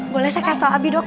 boleh saya kasih tau api dok